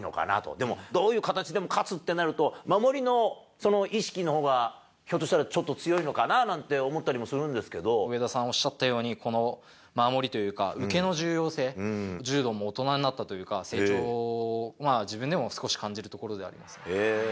でも、どういう形でも勝つってなると、守りの意識のほうがひょっとしたらちょっと強いのかななんて思っ上田さんおっしゃったように、守りというか、受けの重要性、柔道も大人になったというか、成長を、自分でも少し感じるところではあります。